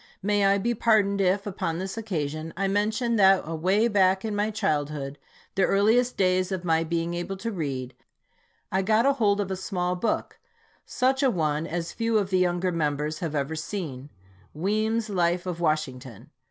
May I be pardoned if, upon this occasion, I mention that away back in my childhood, the earliest days of my being able to read, I got hold of a small book, such a one as few of the younger members have ever seen, " Weems' Life of Washington."